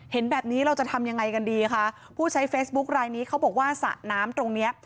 เห็นแบบนี้เราจะทำยังไงกันดีคะผู้ใช้เฟซบุ๊คลายนี้เขาบอกว่าสระน้ำตรงเนี้ย